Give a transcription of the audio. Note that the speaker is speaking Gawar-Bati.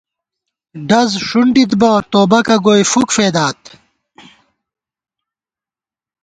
ڈز ݭُنڈِت بہ توبَکہ گوئی فُک فېدات